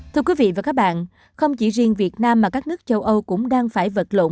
thưa quý vị và các bạn không chỉ riêng việt nam mà các nước châu âu cũng đang phải vật lộn